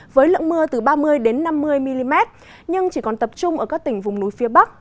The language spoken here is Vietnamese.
với lượng mưa từ ba mươi năm mươi mm nhưng chỉ còn tập trung ở các tỉnh vùng núi phía bắc